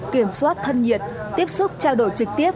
kiểm soát thân nhiệt tiếp xúc trao đổi trực tiếp